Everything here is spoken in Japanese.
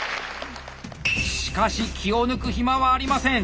しかし気を抜く暇はありません。